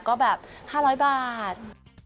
ก็แบบ๕๐๐บาท